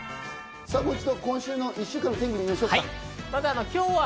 今週１週間の天気、見ましょうか。